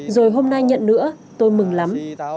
rồi hôm nay nhận nữa tôi mừng lắm